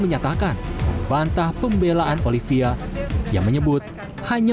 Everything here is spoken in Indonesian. saya sudah buktikan di pinjam dari olivia yang menawarkan saya